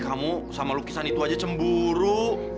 kamu sama lukisan itu aja cemburu